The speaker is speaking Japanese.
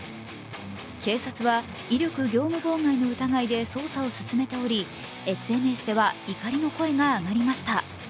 警察は、威力業務妨害の疑いで捜査を進めており、ＳＮＳでは怒りの声が上がりました。